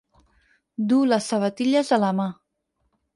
Du les sabatilles a la mà.